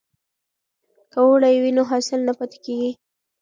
که اوړی وي نو حاصل نه پاتیږي.